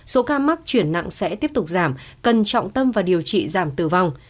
số ca mắc chuyển nặng sẽ tiếp tục giảm cần trọng tâm và điều trị giảm tử vong